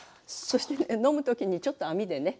そして飲む時にちょっと網でね